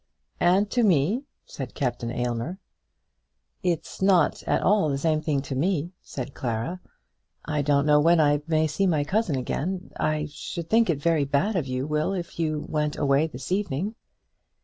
"And to me," said Captain Aylmer. "It's not at all the same thing to me," said Clara. "I don't know when I may see my cousin again. I should think it very bad of you, Will, if you went away this evening."